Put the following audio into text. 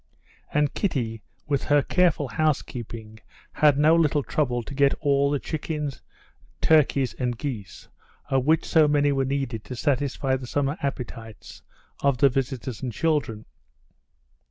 And Kitty, with her careful housekeeping, had no little trouble to get all the chickens, turkeys, and geese, of which so many were needed to satisfy the summer appetites of the visitors and children.